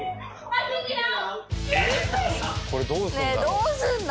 ねえどうするの？